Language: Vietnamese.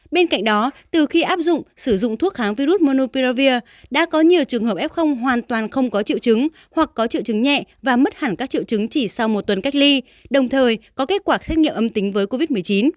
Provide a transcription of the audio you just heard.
bên cạnh đó từ khi áp dụng sử dụng thuốc kháng virus monopiravir đã có nhiều trường hợp f hoàn toàn không có triệu chứng hoặc có triệu chứng nhẹ và mất hẳn các triệu chứng chỉ sau một tuần cách ly đồng thời có kết quả xét nghiệm âm tính với covid một mươi chín